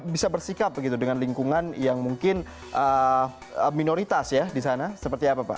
bisa bersikap begitu dengan lingkungan yang mungkin minoritas ya di sana seperti apa pak